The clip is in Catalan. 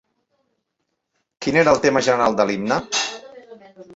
Quin era el tema general de l'himne?